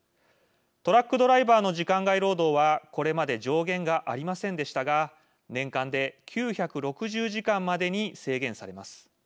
トラックドライバーの時間外労働はこれまで上限がありませんでしたが年間で９６０時間までに制限されます。